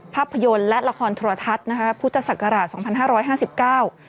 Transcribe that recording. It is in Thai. ภาพยนตร์และละครโทรทัศน์นะคะพุทธศักราชสองพันห้าร้อยห้าสิบเก้า